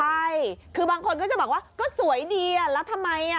ใช่คือบางคนก็จะบอกว่าก็สวยดีอ่ะแล้วทำไมอ่ะ